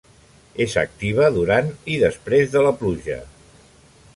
És activa durant i després de la pluja.